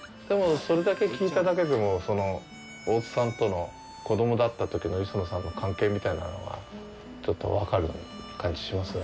それだけ聞いただけでも大津さんとの、子供だったときの磯野さんとの関係みたいなのは、分かる感じしますね。